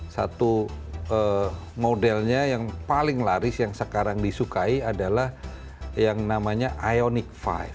satu modelnya yang paling laris yang sekarang disukai adalah yang namanya ioniq lima